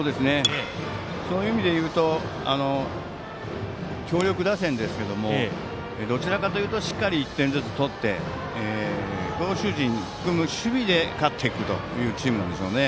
そういう意味でいうと強力打線ですけれどもどちらかというとしっかり１点ずつとって投手陣を含む守備で勝っていくというチームですね。